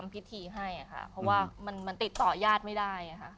เพราะว่ามันติดต่อยาธิไม่ได้